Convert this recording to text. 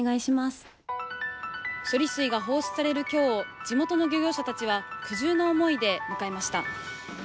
処理水が放出される今日地元の漁業者たちは苦渋の思いで迎えました。